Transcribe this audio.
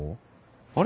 あれ？